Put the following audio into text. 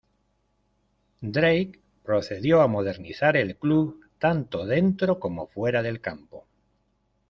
Drake procedió a modernizar el club, tanto dentro como fuera del campo.